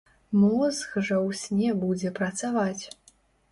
Мозг жа ў сне будзе працаваць.